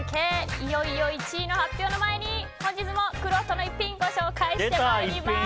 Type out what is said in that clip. いよいよ１位の発表の前に本日も、くろうとの逸品のご紹介してまいります。